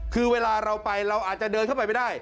คือเวลาเราไปเราอาจจะเดินเข้าไปไม่ได้